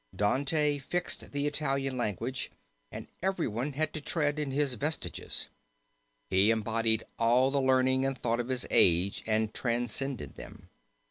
"Dante fixed the Italian language, and everyone had to tread in his vestiges. He embodied all the learning and thought of his age and transcended them.